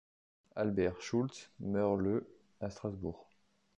Albert Schultz meurt le à Strasbourg.